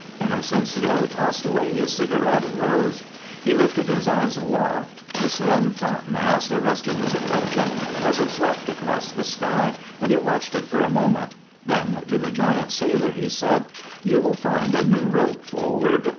Inocencio tossed away his cigarette and rose; he lifted his eyes aloft. The slim topmast arrested his attention as it swept across the sky, and he watched it for a moment; then to the giant sailor he said: "You will find a new rope forward.